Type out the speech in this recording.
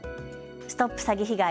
ＳＴＯＰ詐欺被害！